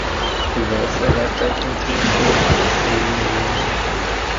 It was adapted into a film of the same name.